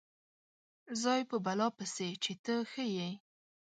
ځای په بلا پسې چې ته ښه یې.